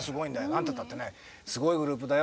何てったってねすごいグループだよ。